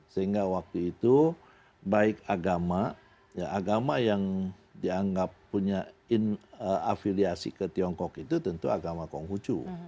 sehingga waktu itu baik agama agama yang dianggap punya afiliasi ke tiongkok itu tentu agama konghucu